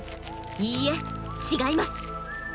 いいえ違います！